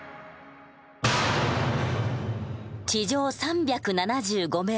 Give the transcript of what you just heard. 地上３７５ｍ。